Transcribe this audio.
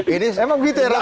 emang begitu ya